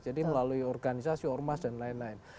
jadi melalui organisasi ormas dan lain lain